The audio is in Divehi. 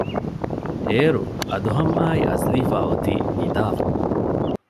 އޭރު އަދުހަމްއާއި އަޒްލީފާ އޮތީ ނިދާފަ